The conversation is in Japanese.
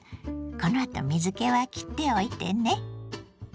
このあと水けはきっておいてね。